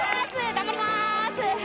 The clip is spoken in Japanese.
頑張ります。